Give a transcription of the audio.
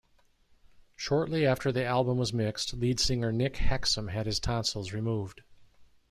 Shortly after the album was mixed, lead singer Nick Hexum had his tonsils removed.